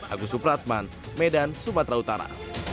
agus supratman medan sumatera utara